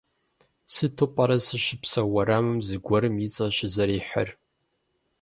Сыту пӏэрэ сыщыпсэу уэрамым зыгуэрым и цӏэ щӏызэрихьэр?